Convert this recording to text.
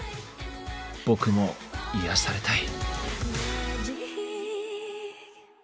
僕も癒やされたい。